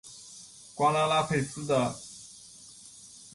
瓜拉拉佩斯是巴西圣保罗州的一个市镇。